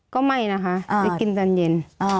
ก็ไม่นะคะไปกินตอนเย็น